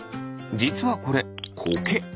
じつはこれコケ。